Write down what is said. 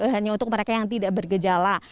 hanya untuk mereka yang tidak bergejala